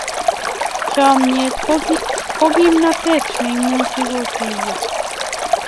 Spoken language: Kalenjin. Chomnyet ko kimnatet ne imuch kotuiyo.